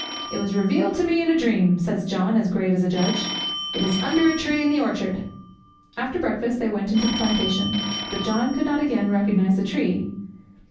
"It was revealed to me in a dream," says John, as grave as a judge; "it is under a tree in the orchard." After breakfast they went to the plantation, but John could not again recognize the tree.